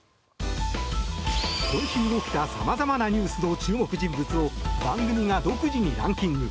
今週起きたさまざまなニュースの注目人物を番組が独自にランキング。